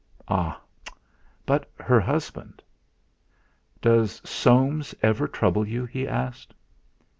Ah! but her husband? "Does Soames never trouble you?" he asked.